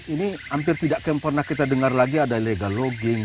ini hampir tidak akan pernah kita dengar lagi ada illegal logging